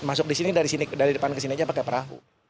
masuk di sini dari sini dari depan ke sini aja pakai perahu